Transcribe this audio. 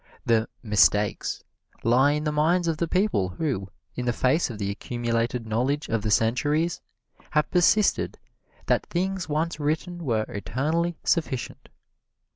The "mistakes" lie in the minds of the people who, in the face of the accumulated knowledge of the centuries, have persisted that things once written were eternally sufficient.